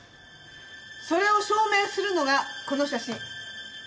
それを証明するのがこの写真。